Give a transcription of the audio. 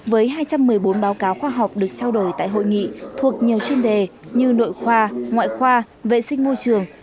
với hai trăm một mươi bốn báo cáo khoa học được trao đổi tại hội nghị thuộc nhiều chuyên đề như nội khoa ngoại khoa vệ sinh môi trường